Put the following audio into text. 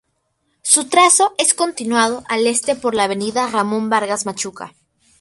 Su trazo es continuado al este por la avenida Ramón Vargas Machuca.